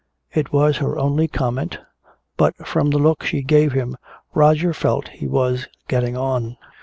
It was her only comment, but from the look she gave him Roger felt he was getting on.